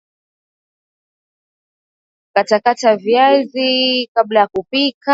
Katakata viazi lishe vizuri kabla ya kupika